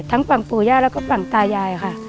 ฝั่งปู่ย่าแล้วก็ฝั่งตายายค่ะ